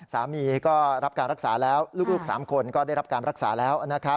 สามีก็รับการรักษาแล้วลูก๓คนก็ได้รับการรักษาแล้ว